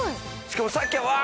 しかもさっきはうわ！